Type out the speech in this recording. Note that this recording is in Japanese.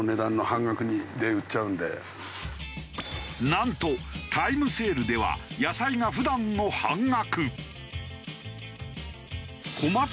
なんとタイムセールでは野菜が普段の半額。